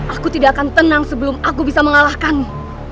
aku tidak akan tenang sebelum aku bisa mengalahkanmu